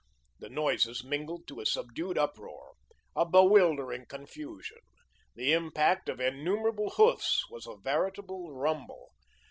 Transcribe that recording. The noises mingled to a subdued uproar, a bewildering confusion; the impact of innumerable hoofs was a veritable rumble.